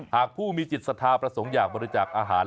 หากผู้มีจิตศรัทธาประสงค์อยากบริจาคอาหาร